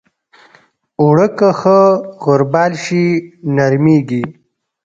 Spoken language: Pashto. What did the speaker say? اوړه که ښه غربال شي، نرمېږي